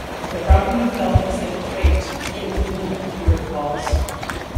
"The problem with felt is that it draped, it was limp," he recalls.